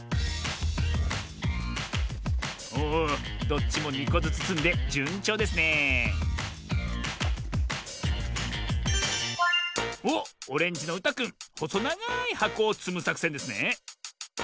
おおどっちも２こずつつんでじゅんちょうですねえおっオレンジのうたくんほそながいはこをつむさくせんですね。